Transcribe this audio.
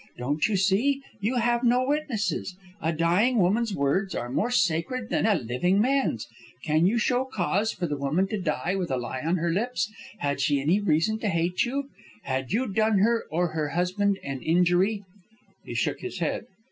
Don't you see? You have no witnesses. A dying woman's words are more sacred than a living man's. Can you show cause for the woman to die with a lie on her lips? Had she any reason to hate you? Had you done her or her husband an injury?" He shook his head.